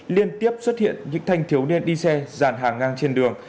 liên tiếp xuất hiện những thanh thiếu niên đi xe giàn hàng ngang trên đường